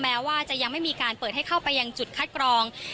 แม้ว่าจะยังไม่มีการเปิดให้เข้าไปยังจุดคัดกรอง